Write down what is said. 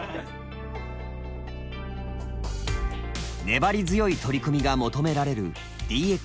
粘り強い取り組みが求められるＤＸ。